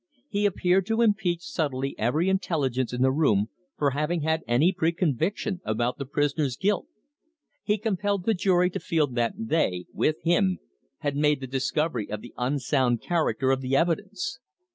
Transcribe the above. He appeared to impeach subtly every intelligence in the room for having had any preconviction about the prisoner's guilt. He compelled the jury to feel that they, with him, had made the discovery of the unsound character of the evidence.